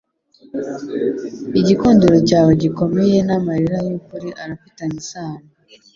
Igikundiro cyawe gikomeye n'amarira yukuri arafitanye isano